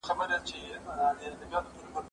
خزانې د سردارانو يې وهلې